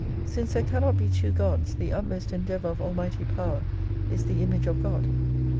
Since there cannot be two Gods the utmost endeavour of Almighty Power is the Image of God.